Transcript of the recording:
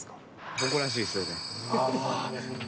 誇らしいですよね。